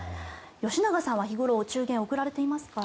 吉永さんは日頃、お中元を贈られていますか？